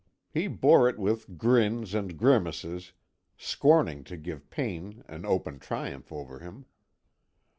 He bore it with grins and grimaces, scorning to give pain an open triumph over him.